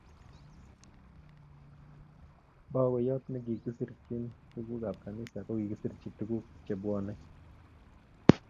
Bagoyot ne kisirchin tukuk ab kanisa kokikisir tukuk che bwone